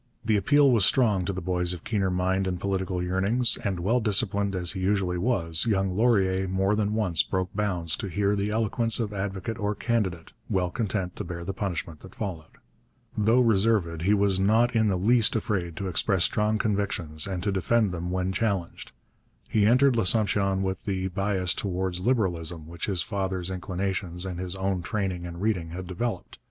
The appeal was strong to the boys of keener mind and political yearnings; and well disciplined as he usually was, young Laurier more than once broke bounds to hear the eloquence of advocate or candidate, well content to bear the punishment that followed. Though reserved, he was not in the least afraid to express strong convictions and to defend them when challenged. He entered L'Assomption with the bias towards Liberalism which his father's inclinations and his own training and reading had developed.